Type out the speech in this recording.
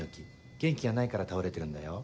元気がないから倒れてるんだよ。